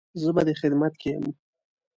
زه به دې خدمت کې يم